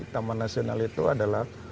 taman nasional itu adalah